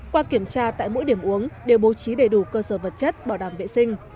qua kiểm tra tại mỗi điểm uống đều bố trí đầy đủ cơ sở vật chất bảo đảm vệ sinh